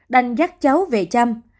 đành dắt cháu về chăm